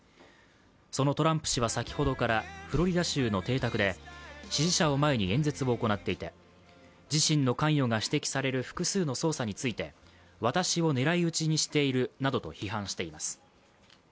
そのトランプ氏は先ほどからフロリダ州の邸宅で支持者を前に演説を行っていて、自身の関与が指摘される複数の捜査について、私を狙い撃ちにしているなどと批判しています。